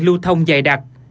lưu thông dài đặc